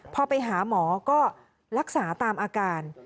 พอไปหาหมอก็รักษาตามอาการ